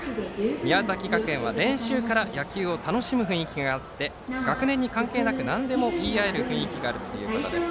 宮崎学園は練習から野球を楽しむ雰囲気があって学年に関係なくなんでも言い合える雰囲気があるということです。